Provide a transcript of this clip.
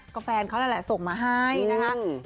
ก็แฟนเขานั่นแหละส่งมาให้นะคะ